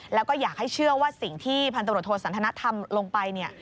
แล้วก็อยากให้เชื่อว่าสิ่งที่พันตรวจโทสันทนทำลงไปเนี่ย